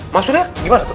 maksudnya gimana pak